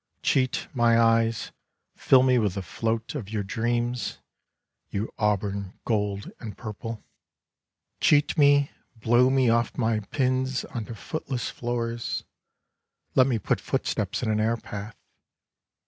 Cheat my eyes, fill me with the float Of your dream, you auburn, gold, and purple. 70 Slabs of the Sunburnt West Cheat me, blow me off my pins onto footless fioors. Let me put footsteps in an airpath.